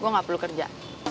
gue gak perlu kerja